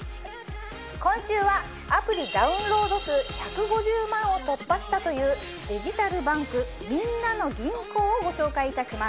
今週はアプリダウンロード数１５０万を突破したというデジタルバンク「みんなの銀行」をご紹介いたします。